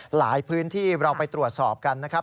หลายพื้นที่เราไปตรวจสอบกันนะครับ